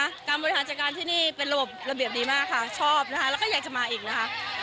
ชอบนะคะแล้วก็อยากจะมาอีกนะคะ